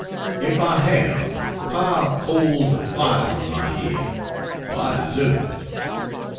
If I have, pile coals of fire on my head, for I deserve it!